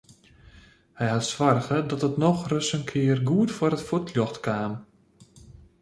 Hy hat soarge dat it nochris in kear goed foar it fuotljocht kaam.